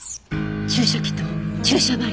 注射器と注射針。